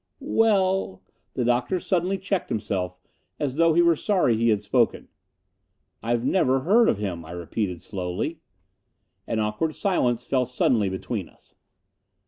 "Well " The doctor suddenly checked himself, as though he were sorry he had spoken. "I never heard of him," I repeated slowly. An awkward silence fell suddenly between us.